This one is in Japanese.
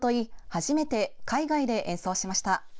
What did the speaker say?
初めて海外で演奏しました。